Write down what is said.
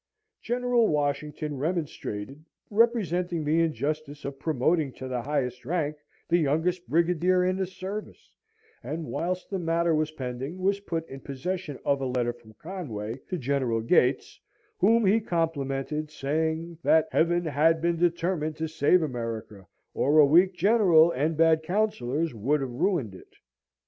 General Washington remonstrated, representing the injustice of promoting to the highest rank the youngest brigadier in the service; and whilst the matter was pending, was put in possession of a letter from Conway to General Gates, whom he complimented, saying, that "Heaven had been determined to save America, or a weak general and bad councillors would have ruined it."